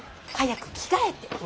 早く着替えて！